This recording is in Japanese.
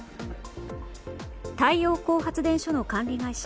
太陽光発電所の管理会社